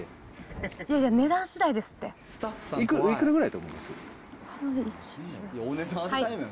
いやいや、値段しだいですっいくらぐらいだと思います？